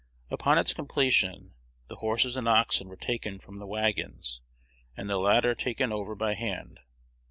Upon its completion, the horses and oxen were taken from the wagons, and the latter taken over by hand.